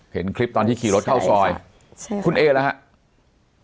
เห็นคลิปตอนที่ขี่รถเข้าซอยคุณเอละฮะ